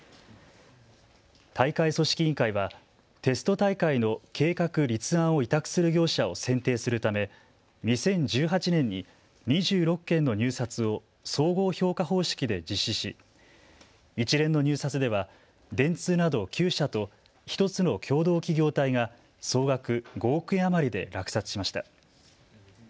大会組織委員会はテスト大会の計画立案を委託する業者を選定するため２０１８年に２６件の入札を総合評価方式で実施し一連の入札では電通など９社と１つの共同企業体が総額５億円余りで落札しました。